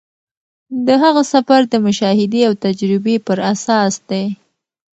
د هغه سفر د مشاهدې او تجربې پر اساس دی.